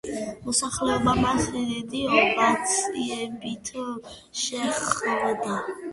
მოსახლეობა მას დიდი ოვაციებით შეხვდა.